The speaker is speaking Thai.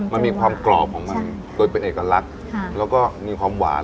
มันมีความกรอบของมันโดยเป็นเอกลักษณ์แล้วก็มีความหวาน